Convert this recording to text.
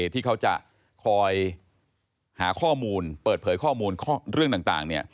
ที่เขาจะคอยหาข้อมูลเปิดเผยข้อมูลเรื่องต่าง